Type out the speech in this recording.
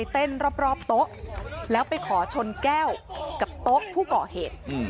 โต๊ะผู้ก่อเหตุ